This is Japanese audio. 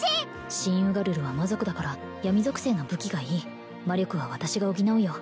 新ウガルルは魔族だから闇属性の武器がいい魔力は私が補うよ